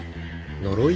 呪い？